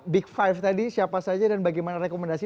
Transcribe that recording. big five tadi siapa saja dan bagaimana rekomendasi